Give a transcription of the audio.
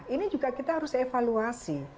ini juga kita harus evaluasi